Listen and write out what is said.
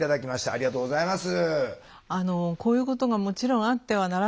ありがとうございます。